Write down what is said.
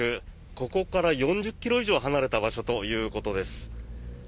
ここから４０ｋｍ以上離れた場所ということです。